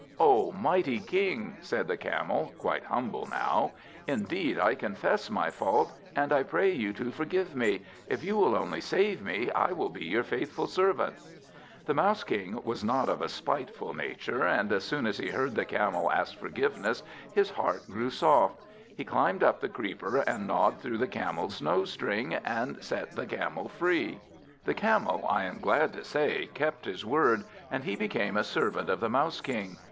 "O mighty King," said the Camel, quite humble now, "indeed I confess my fault, and I pray you to forgive me. If you will only save me, I will be your faithful servant." The Mouse King was not of a spiteful nature, and as soon as he heard the Camel ask forgiveness his heart grew soft. He climbed up the creeper, and gnawed through the Camel's nose string, and set the Camel free. The Camel, I am glad to say, kept his word; and he became a servant of the Mouse King.